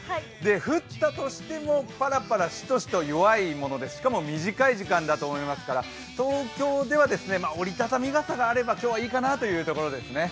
降ったとしても、ぱらぱらしとしと弱いものでしかも短い時間だと思いますから東京では折り畳み傘があれば今日はいいかなというところですね。